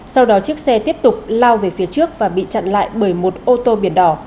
sau đó chiếc xe tiếp tục lao về phía trước và bị chặn lại bởi một ô tô biển đỏ